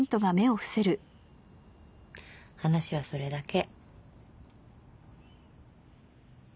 話はそれだけ。